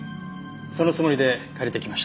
そのつもりで借りてきました。